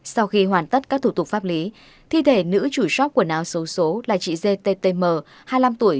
sau khi hoàn tất các thủ tục pháp lý thi thể nữ chủ shop quần áo số số là chị gttm hai mươi năm tuổi